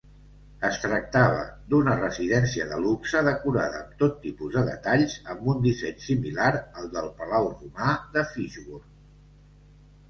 Es tractava d'una residència de luxe decorada amb tot tipus de detalls amb un disseny similar al del Palau romà de Fishbourne.